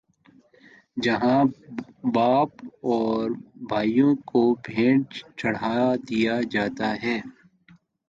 جہاں باپ اور بھائیوں کو بھینٹ چڑھا دیا جاتا ہے۔